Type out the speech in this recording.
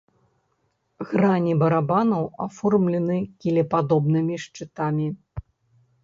Грані барабанаў аформлены кілепадобнымі шчытамі.